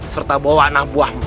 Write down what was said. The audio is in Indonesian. serta bawa anak buahmu